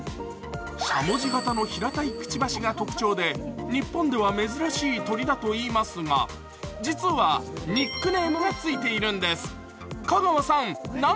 しゃもじ型の平たいくちばしが特徴で、日本では珍しい鳥だといいますが、実は、ニックネームがついているんです。